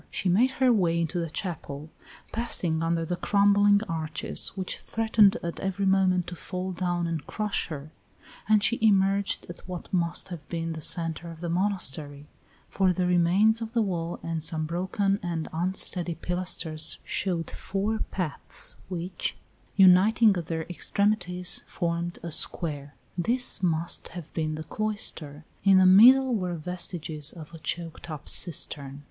She made her way into the chapel, passing under the crumbling arches which threatened at every moment to fall down and crush her, and she emerged at what must have been the centre of the monastery, for the remains of the wall and some broken and unsteady pilasters showed four paths which, uniting at their extremities, formed a square. This must have been the cloister, in the middle were vestiges of a choked up cistern.